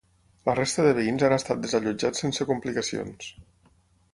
La resta de veïns han estat desallotjats sense complicacions.